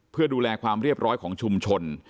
เพื่อดูแลความเรียบร้อยของชุมชน